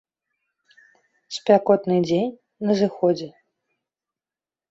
Спякотны дзень на зыходзе.